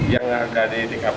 yang ada di tkp